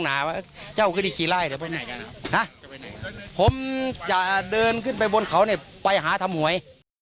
นะฮะจะเดินขึ้นไปบนเขาเนี่ยไปหาทำหวย